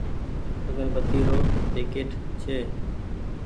اگربتي رو پيڪيٽ ڇي۔